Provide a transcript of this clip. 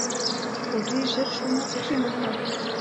خو ډېر زر شومه پښېمانه